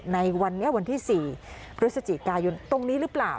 ในวันที่๔ฤศจิกายุทธ์ตรงนี้หรือเปล่า